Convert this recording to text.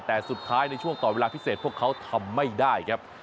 แต่สุดท้ายในช่วงต่อเวลาพิเศษพวกเขาทำไม่ได้ครับ